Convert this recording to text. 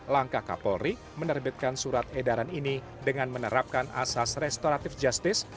langkah kapolri menerbitkan surat edaran ini dengan menerapkan asas restoratif justice